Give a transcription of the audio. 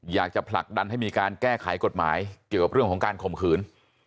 อยากจะผลักดันให้มีการแก้ไขกฎหมายเกี่ยวกับเรื่องของการข่มขืน